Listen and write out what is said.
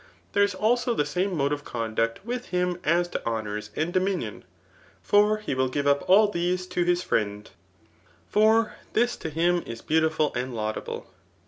There is also die same nfode of ccmduct with him as to honours and do Hmuon ; for he will give up all diese to his friend ; for this to him is beautiful and laudable.